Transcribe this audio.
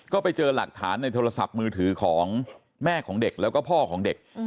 ก็ไปเจอหลักฐานในโทรศัพท์มือถือของแม่ของเด็กแล้วก็พ่อของเด็ก